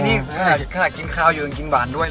ไม่คราชกินขาวอยู่กับกินหวานด้วย